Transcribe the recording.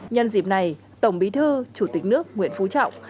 nhân dịp này tổng bí thư chủ tịch nước nguyễn phú trọng